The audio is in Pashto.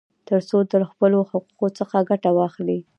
ترڅو له خپلو حقوقو څخه ګټه واخلي.